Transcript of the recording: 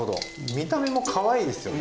見た目もかわいいですよね。